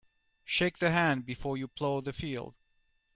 Shake the hand before you plough the field.